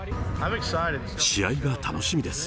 試合が楽しみです。